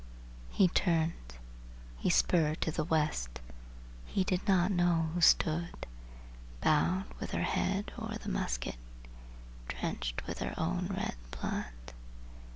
He turned, he spurred to the West; he did not know who stood Bowed, with her head o'er the casement, drenched in her own red blood!